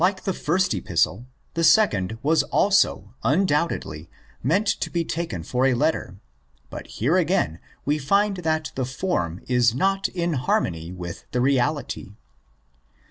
Like the first Epistle, the second also was un doubtedly meant to be taken for a letter; but here again we find that the form is not in harmony with the reality.